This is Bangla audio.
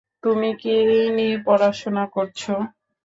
তুমি কি নিয়ে পড়াশুনা করছো?